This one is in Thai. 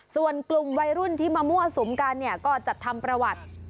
ส่วนกลุ่มวัยรุ่นที่มามอสมกันก็จัดทำประวัติ